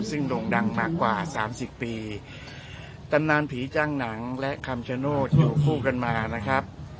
ซึ่งโด่งดังมากว่าสามสิบปีตำนานผีจ้างหนังและคำชโนธอยู่คู่กันมานะครับ